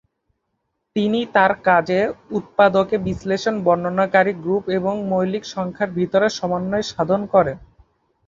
তিনি তার কাজে উৎপাদকে বিশ্লেষণ বর্ণনাকারী গ্রুপ এবং মৌলিক সংখ্যার ভেতর সমন্বয় সাধন করেন।